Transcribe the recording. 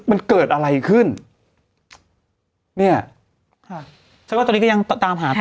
มันเกิดอะไรขึ้นเนี่ยค่ะฉันว่าตอนนี้ก็ยังตามหาต่อ